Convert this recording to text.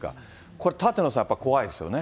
これ、舘野さん、やっぱり怖いですよね。